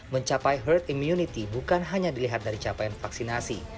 mencapai herd immunity bukan hanya dilihat dari capaian vaksinasi